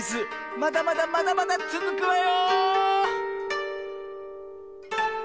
まだまだまだまだつづくわよ！